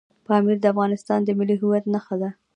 پامیر د افغانستان د ملي هویت نښه ده.